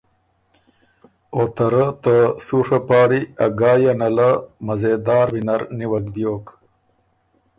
او ته رۀ ته سُوڒه پاړی ا ګایٛ یه نه له مزېدار وینر نیوَک بیوک۔